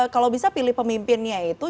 kalau bisa pilih pemimpinnya itu